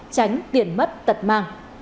tránh tiền mất tật mang